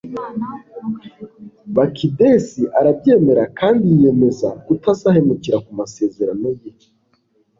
bakidesi arabyemera kandi yiyemeza kutazahemuka ku masezerano ye